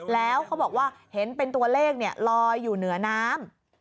แล้วเขาบอกว่าเห็นเป็นตัวเลขลอยอยู่เหนือน้ำ